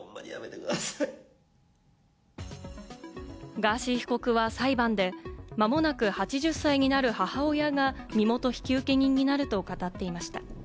ガーシー被告は裁判で間もなく８０歳になる母親が身元引受人になると語っていました。